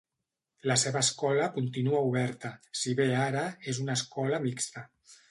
La seva escola continua oberta, si bé ara és una escola mixta.